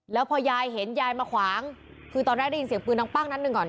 แล้วพอยายเห็นยายมาขวางคือตอนแรกได้ยินเสียงปืนดังปั้งนัดหนึ่งก่อน